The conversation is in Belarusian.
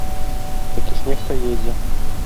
Такі ж нехта едзе!